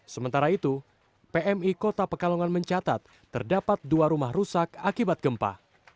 sementara itu pmi kota pekalongan mencatat terdapat dua rumah rusak akibat gempa